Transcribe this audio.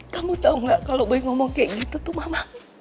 kamu tau gak kalau boy ngomong kayak gitu tuh mama